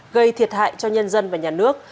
gây thiệt hại cho nhân dân và nhà nước